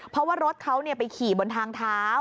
เพราะว่ารถเขาไปขี่บนทางเท้า